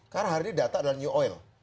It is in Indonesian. karena hari ini data adalah new oil